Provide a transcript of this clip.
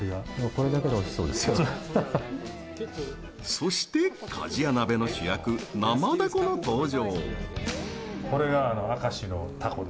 そして鍛冶屋鍋の主役生ダコの登場。